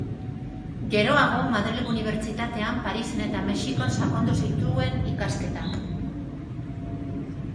Geroago, Madrilgo Unibertsitatean, Parisen eta Mexikon sakondu zituen ikasketak.